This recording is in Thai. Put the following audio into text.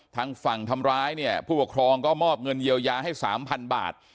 ทางฝั่งทำร้ายเนี่ยผู้ปกครองก็มอบเงินเยียวยาให้๓๐๐บาท